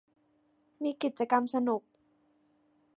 มีกิจกรรมสนุก